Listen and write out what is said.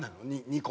２個。